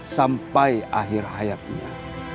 sampai akhir hayatnya